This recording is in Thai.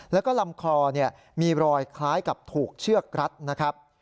แล้วก็ลำคอมีรอยคล้ายกับถูกเชือกรัดนะครับ